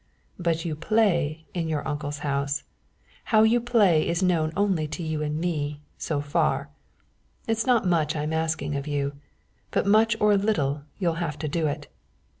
"But you play in your uncle's house how you play is known only to you and me so far. It's not much I'm asking of you, but much or little you'll have to do it.